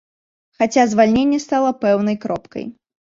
Хаця звальненне стала пэўнай кропкай.